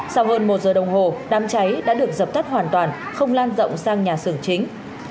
sau hơn một giờ đồng hồ đám cháy đã được dập tắt hoàn toàn không lan rộng sang nhà xưởng chính